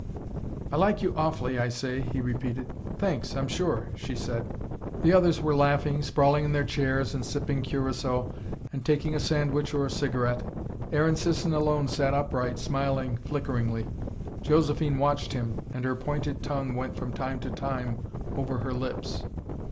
"I like you awfully, I say," he repeated. "Thanks, I'm sure," she said. The others were laughing, sprawling in their chairs, and sipping curacao and taking a sandwich or a cigarette. Aaron Sisson alone sat upright, smiling flickeringly. Josephine watched him, and her pointed tongue went from time to time over her lips.